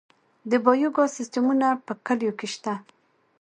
د بایو ګاز سیستمونه په کلیو کې شته؟